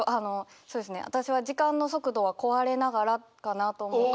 私は「時間の速度は壊れながら」かなと思って。